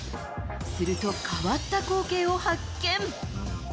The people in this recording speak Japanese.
すると、変わった光景を発見。